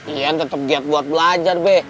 iya tetep giat buat belajar be